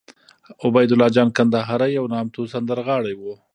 عبیدالله جان کندهاری یو نامتو سندرغاړی وو